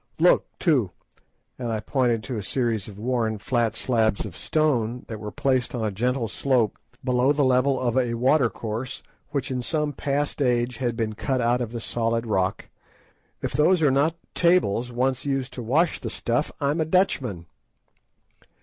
Look, too," and I pointed to a series of worn flat slabs of stone that were placed on a gentle slope below the level of a watercourse which in some past age had been cut out of the solid rock; "if those are not tables once used to wash the 'stuff,' I'm a Dutchman."